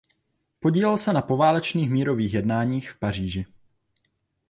Podílel se na poválečných mírových jednáních v Paříži.